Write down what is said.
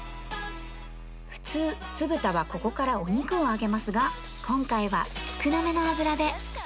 普通酢豚はここからお肉を揚げますが今回は少なめの油で